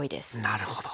なるほど。